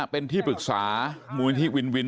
เป็นที่ปรึกษามูลนิธิวินวิน